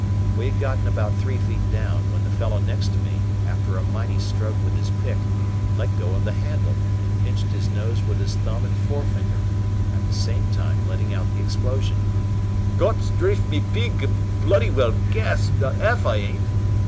We had gotten about three feet down, when the fellow next to me, after a mighty stroke with his pick, let go of the handle, and pinched his nose with his thumb and forefinger, at the same time letting out the explosion, "Gott strafe me pink, I'm bloody well gassed, not 'alf I ain't."